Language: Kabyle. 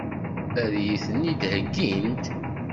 Ad iyi-ten-id-heggint?